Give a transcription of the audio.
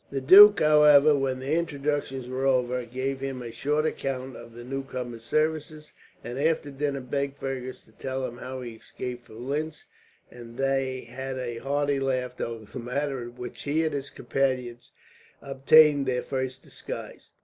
The duke, however, when the introductions were over, gave them a short account of the newcomer's services, and after dinner begged Fergus to tell them how he escaped from Linz; and they had a hearty laugh over the manner in which he and his companions obtained their first disguise.